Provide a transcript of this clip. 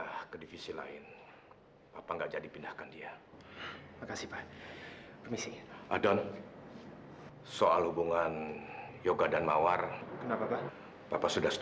hmm aku udah di rumah